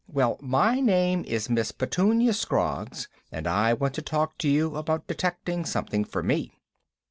Well, my name is Miss Petunia Scroggs, and I want to talk to you about detecting something for me."